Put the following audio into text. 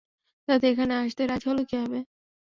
দাদি এখানে আসতে রাজি হলো কিভাবে?